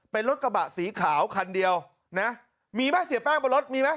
เป็นรถกระบะสีขาวคันเดียวนะมีไหมเสียแป้งบนรถมีไหม